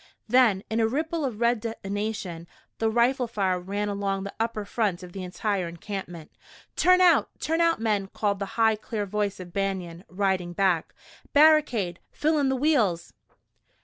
Then, in a ripple of red detonation, the rifle fire ran along the upper front of the entire encampment. "Turn out! Turn out, men!" called the high, clear voice of Banion, riding back. "Barricade! Fill in the wheels!"